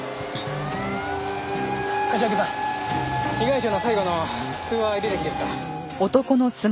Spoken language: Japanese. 柏木さん被害者の最後の通話履歴ですが。